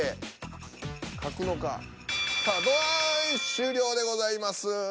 終了でございます。